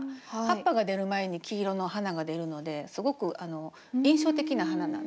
葉っぱが出る前に黄色の花が出るのですごく印象的な花なんですね。